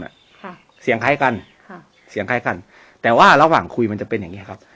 ค่ะเสียงคล้ายกันค่ะเสียงคล้ายกันแต่ว่าระหว่างคุยมันจะเป็นอย่างเงี้ครับ